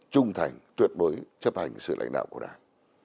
trung thành tuyệt đối chấp hành sự lãnh đạo của đảng